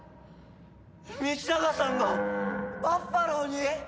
道長さんがバッファローに！？